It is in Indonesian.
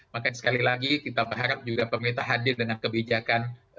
makanya sekali lagi kita berharap juga pemerintah hadir dengan kebijakan